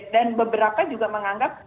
dan beberapa juga menganggap